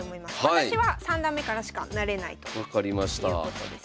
私は三段目からしか成れないということです。